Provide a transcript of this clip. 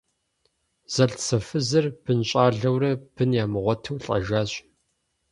Зэлӏзэфызыр бынщӏэлӏэурэ, бын ямыгъуэту лӏэжащ.